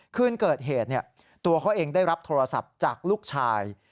คืนเกิดเหตุตัวเขาเองได้รับโทรศัพท์จากลูกชาย